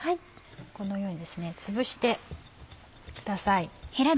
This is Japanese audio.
このようにつぶしてください。